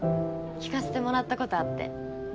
聴かせてもらったことあって。